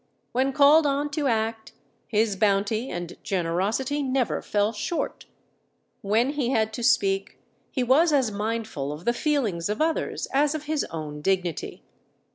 When called on to act, his bounty and generosity never fell short. When he had to speak, he was as mindful of the feelings of others as of his own dignity.